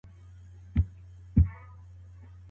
وترنري پوهنځۍ په اسانۍ سره نه منظوریږي.